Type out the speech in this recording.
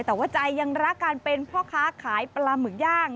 แต่ว่าใจยังรักการเป็นพ่อค้าขายปลาหมึกย่าง